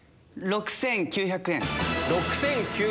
６９００円。